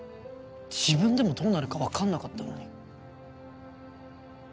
自分でもどうなるか分かんなかったのに。